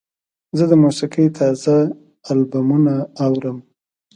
زه د موسیقۍ تازه البومونه اورم.